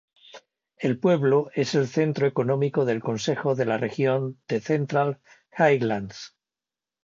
El pueblo es el centro económico del Consejo de la Región de Central Highlands.